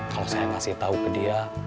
kalau saya ngasih tahu ke dia